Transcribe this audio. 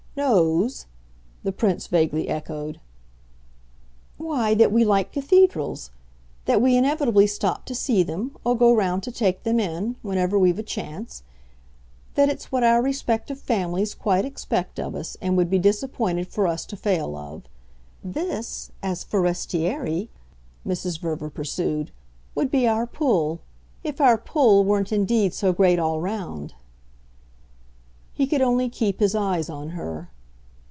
"'Knows'?" the Prince vaguely echoed. "Why, that we like cathedrals; that we inevitably stop to see them, or go round to take them in, whenever we've a chance; that it's what our respective families quite expect of us and would be disappointed for us to fail of. This, as forestieri," Mrs. Verver pursued, "would be our pull if our pull weren't indeed so great all round." He could only keep his eyes on her.